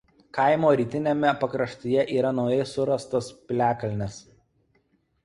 Kaimo rytiniame pakraštyje yra naujai surastas piliakalnis.